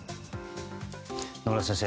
野村先生